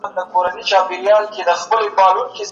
د لارښود تجربه له نوي پوهي بشپړه وي.